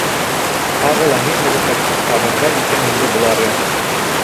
Тағы ла ни һәләкәт ҡуптарырҙар икән инде былары?